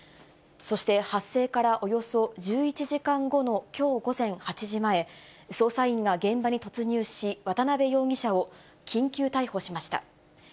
そして発生からおよそ１１時間後のきょう午前８時前、捜査員が現場に突入し、渡辺容疑者を緊急逮捕しました。